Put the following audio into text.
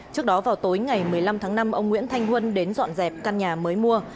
trước đó vào tối ngày một mươi năm tháng năm ông nguyễn thanh huân đến dọn dẹp căn nhà mới mua